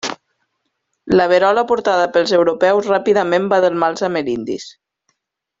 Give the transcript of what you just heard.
La verola portada pels europeus ràpidament va delmar els amerindis.